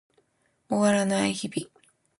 終わらない日々